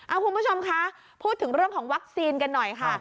คุณผู้ชมคะพูดถึงเรื่องของวัคซีนกันหน่อยค่ะ